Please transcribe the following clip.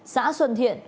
xã xuân thiện